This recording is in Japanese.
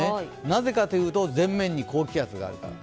なぜかというと前面に高気圧があるから。